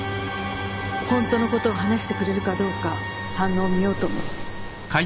ホントのことを話してくれるかどうか反応を見ようと思って。